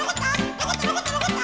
のこったのこったのこった！